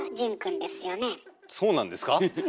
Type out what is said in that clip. そうなんですか⁉うん。